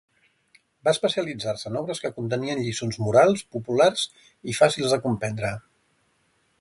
Va especialitzar-se en obres que contenien lliçons morals populars i fàcils de comprendre.